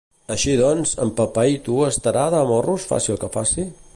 Així doncs, en Pepaito estarà de morros faci el que faci?